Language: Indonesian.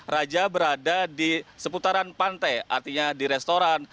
raja berada di seputaran pantai artinya di restoran